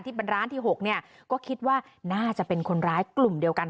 เป็นร้านที่๖เนี่ยก็คิดว่าน่าจะเป็นคนร้ายกลุ่มเดียวกัน